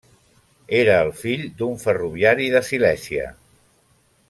Era el fill d'un ferroviari de Silèsia.